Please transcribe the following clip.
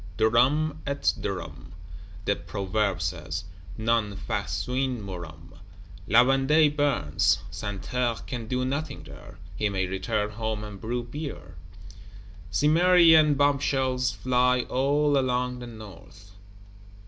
Durum et durum, the Proverb says, non faciunt murum. La Vendée burns; Santerre can do nothing there; he may return home and brew beer. Cimmerian bombshells fly all along the North.